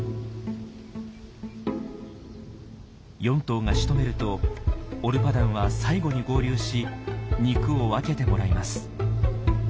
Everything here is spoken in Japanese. ４頭がしとめるとオルパダンは最後に合流し肉を分けてもらいます。